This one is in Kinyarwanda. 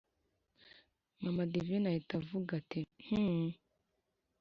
mama divine ahita avuga ati: hhm!